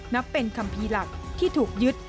นับเป็นคัมภิรษที่ถูกยึด